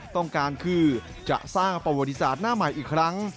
ต้องการคือจะสร้างประวัติศาสตร์หน้าใหม่อีกครั้ง